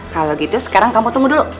kalau gitu sekarang kamu tunggu dulu